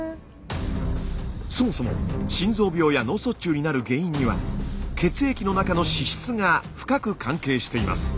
そもそも心臓病や脳卒中になる原因には血液の中の脂質が深く関係しています。